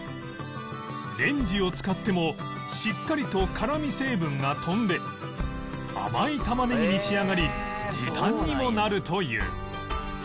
レンジを使ってもしっかりと辛み成分が飛んで甘いタマネギに仕上がり時短にもなるという